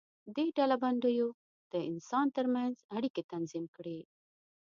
دې ډلبندیو د انسانانو تر منځ اړیکې تنظیم کړې.